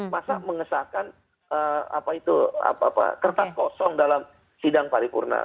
masa mengesahkan apa itu apa apa kertas kosong dalam sidang paripurna